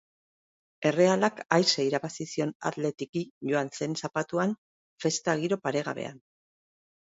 Errealak aise irabazi zion athletic-i Joan zen zapatuan festa giro paregabean.